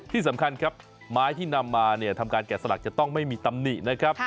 ที่สำคัญครับไม้ที่นำมาเนี่ยทำการแกะสลักจะต้องไม่มีตำหนินะครับ